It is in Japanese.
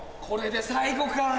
これで最後か。